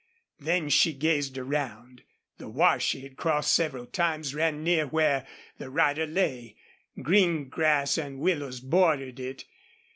Then she gazed around. The wash she had crossed several times ran near where the rider lay. Green grass and willows bordered it.